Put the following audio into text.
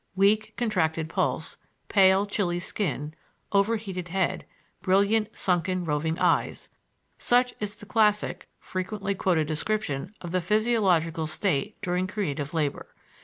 "Weak, contracted pulse; pale, chilly skin; overheated head; brilliant, sunken, roving eyes," such is the classic, frequently quoted description of the physiological state during creative labor.